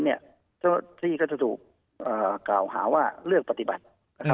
เจ้าหน้าที่ก็จะถูกกล่าวหาว่าเลือกปฏิบัติ